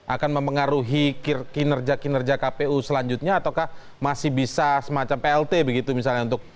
akan mempengaruhi kinerja kinerja kpu selanjutnya ataukah masih bisa semacam plt begitu misalnya untuk